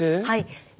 はい。